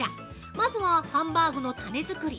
まずはハンバーグのタネ作り。